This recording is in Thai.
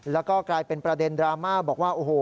แล้วก็กลายเป็นประเด็นดราม่าบอกว่าโอ้โห